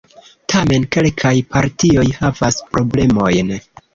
Tamen kelkaj partioj havas problemojn.